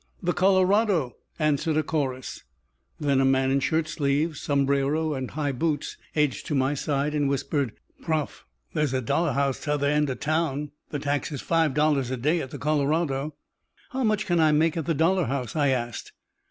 "The Colorado," answered a chorus. Then a man in shirtsleeves, sombrero, and high boots edged to my side, and whispered, "Prof, there's a dollar house t'other end of town. The tax is five dollars a day at the Colorado." "How much can I make at the dollar house?" I asked.